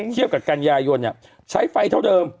เคลียบกับกัญญายนเนี่ยใช้ไฟเท่าเดิม